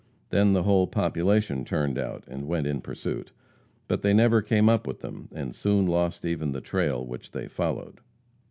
Then the whole population turned out, and went in pursuit. But they never came up with them, and soon lost even the trail which they followed.